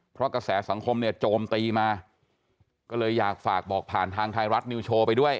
เพราะกระแสสังคมเนี่ยโจมตีมาก็เลยอยากฝากบอกผ่านทางไทยรัฐนิวโชว์ไปด้วย